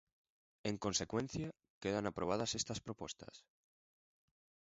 En consecuencia, quedan aprobadas esta propostas.